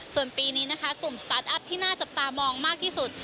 ส่วนปีนี้นะคะกลุ่มสตาร์ทอัพที่น่าจับตามองมากที่สุด